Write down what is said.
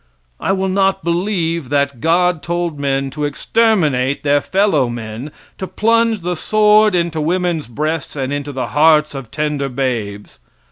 I will not believe that God told men to exterminate their fellow men, to plunge the sword into women's breasts and into the hearts of tender babes.